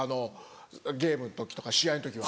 ゲームの時とか試合の時は。